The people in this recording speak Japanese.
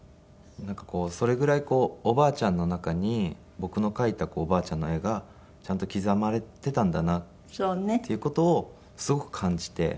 それぐらいおばあちゃんの中に僕の描いたおばあちゃんの絵がちゃんと刻まれていたんだなっていう事をすごく感じて。